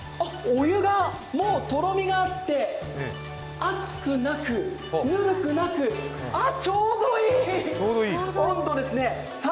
お湯がもう、とろみがあって、熱くなくぬるくなく、あ、ちょうどいい温度ですね。